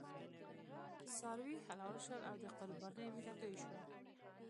څاروي حلال شول او د قربانۍ وینه توی شوه.